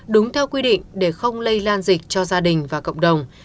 đúng theo quy định để không lây lan dịch cho gia đình và cộng đồng